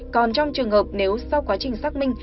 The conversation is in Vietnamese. còn trong trường hợp nếu sau quá trình xác minh